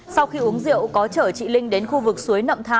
sau khi uống rượu có chở chị linh đến khu vực suối nậm thà